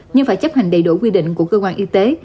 nhưng phải chấp hành đầy đủ quy định của cơ quan y tế